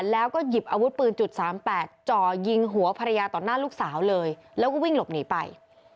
แล้วก็หยิบอาวุธปืนจุด๓๘จ่อยิงหัวภรรยาต่อหน้าลูกสาวเลยแล้วก็วิ่งหลบหนีไป